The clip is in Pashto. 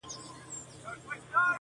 بس وینا کوه د خدای لپاره سپینه,